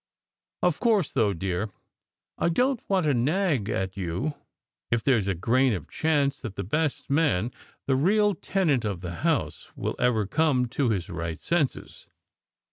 Of course, though, dear, I don t want to nag at you if there s a grain of chance that the best man the real tenant of the house will ever come to his right senses!"